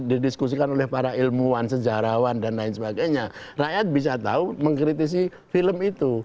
didiskusikan oleh para ilmuwan sejarawan dan lain sebagainya rakyat bisa tahu mengkritisi film itu